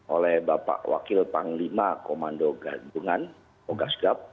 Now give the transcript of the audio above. oleh bapak wakil panglima komando gabungan tugas gab